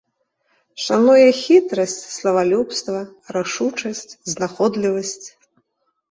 Шануе хітрасць, славалюбства, рашучасць, знаходлівасць.